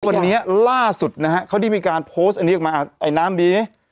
วันนี้ล่าสุดนะฮะเขาได้มีการโพสต์อันนี้ออกมาไอ้น้ำดี